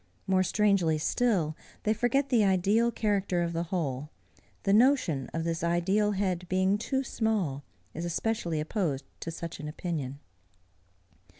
More strangely still, they forget the ideal character of the whole: the notion of this ideal head being too small, is especially opposed to such an opinion.